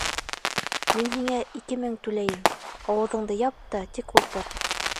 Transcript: Мин һиңә ике мең түләйем, ауыҙыңды яп та тик ултыр.